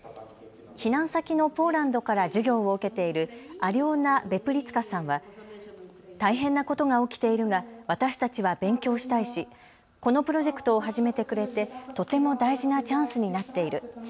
避難先のポーランドから授業を受けているアリョーナ・ヴェプリツィカさんは大変なことが起きているが私たちは勉強したいしこのプロジェクトを始めてくれてとても大事なチャンスになっている。